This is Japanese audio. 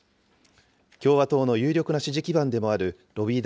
共和党の有力な支持基盤でもあるロビー